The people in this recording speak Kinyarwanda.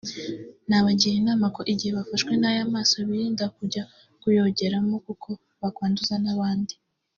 nabagira inama ko igihe bafashwe n’aya maso birinda kujya kuyogeramo kuko bakwanduza abandi